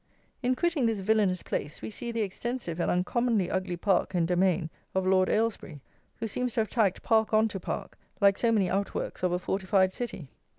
In quitting this villanous place we see the extensive and uncommonly ugly park and domain of LORD AYLESBURY, who seems to have tacked park on to park, like so many outworks of a fortified city.